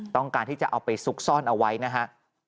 ต้องการที่จะเอาไปซุกซ่อนเอาไว้นะฮะ